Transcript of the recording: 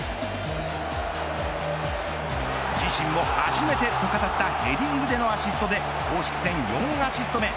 自身も初めてと語ったヘディングでのアシストで公式戦４アシスト目。